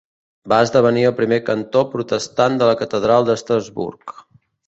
Va esdevenir el primer cantor protestant de la catedral d'Estrasburg.